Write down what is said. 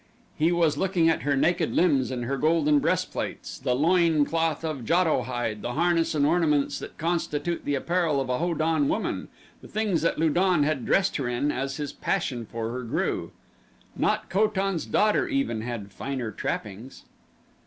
He was looking at her naked limbs and her golden breastplates, the loin cloth of JATO hide, the harness and ornaments that constitute the apparel of a Ho don woman the things that Lu don had dressed her in as his passion for her grew. Not Ko tan's daughter, even, had finer trappings.